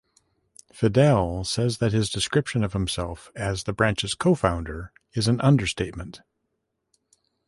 Fedele says that his description of himself as the branch's "co-founder" is an understatement.